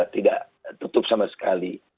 tidak tutup sama sekali